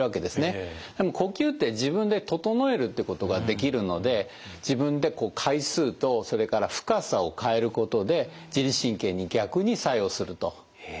でも呼吸って自分で整えるってことができるので自分で回数とそれから深さを変えることで自律神経に逆に作用するということになるんです。